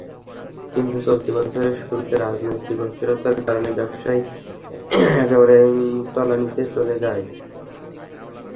কিন্তু চলতি বছরের শুরুতে রাজনৈতিক অস্থিরতার কারণে ব্যবসাটি একেবারে তলানিতে চলে যায়।